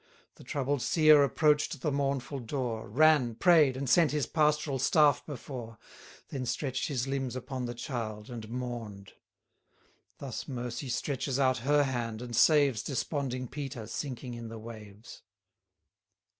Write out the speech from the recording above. The troubled seer approach'd the mournful door, Ran, pray'd, and sent his pastoral staff before, Then stretch'd his limbs upon the child, and mourn'd, Thus Mercy stretches out her hand, and saves Desponding Peter sinking in the waves.